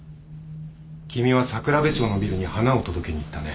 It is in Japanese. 君は桜部町のビルに花を届けに行ったね。